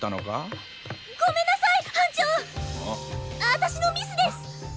私のミスですッ！